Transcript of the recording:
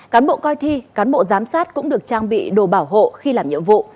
cán bộ coi thi cán bộ giám sát cũng được trang bị đồ bảo hộ khi làm nhiệm vụ